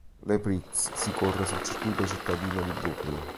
L'E-Prix si corre sul circuito cittadino di Brooklyn.